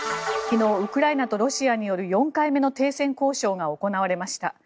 昨日、ウクライナとロシアによる４回目の停戦交渉が行われました。